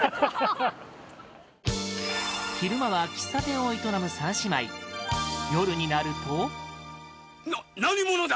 昼間は喫茶店を営む３姉妹夜になると男：な、何者だ！